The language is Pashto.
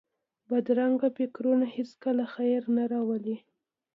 بدرنګه فکرونه هېڅکله خیر نه راولي